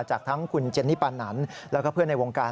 จากทั้งคุณเจนนี่ปานันแล้วก็เพื่อนในวงการ